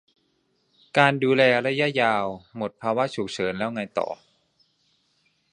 การดูแลระยะยาว หมดภาวะฉุกเฉินแล้วไงต่อ